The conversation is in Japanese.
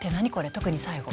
特に最後。